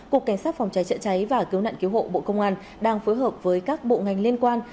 cục cảnh sát phòng cháy chữa cháy và cứu nạn cứu hộ bộ công an đang phối hợp với các bộ ngành liên quan